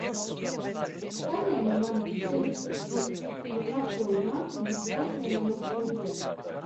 Saņēma mani bez sevišķa prieka, jo pakoja mantiņas, braucienam uz Kurzemi.